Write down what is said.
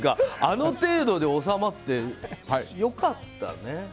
あの程度で収まって良かったね。